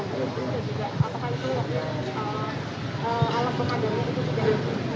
kondisi dari keluarga